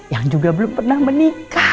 yang juga belum pernah menikah